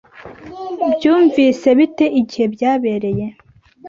Byumvise bite igihe byabereye?